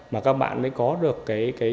mà các bạn có được cái